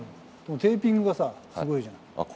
テーピングがさ、すごいじゃん。